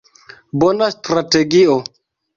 Bona strategio.